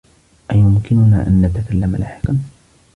أيمكننا أن نتكلّمَ لاحقا؟